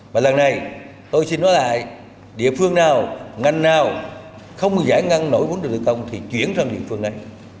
và lần này tôi xin nói lại địa phương nào ngành nào không giải ngân nổi vốn đầu tư công thì chuyển sang địa phương này